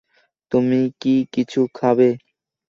তুমি কি কিছু খাবে?